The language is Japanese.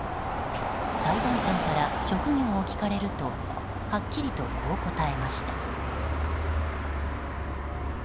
裁判官から職業を聞かれるとはっきりとこう答えました。